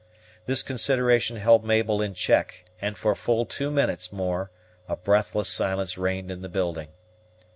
This consideration held Mabel in check, and for full two minutes more a breathless silence reigned in the building.